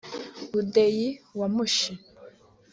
Budeyi wa Mushi